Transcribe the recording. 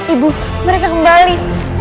ibu mereka kembali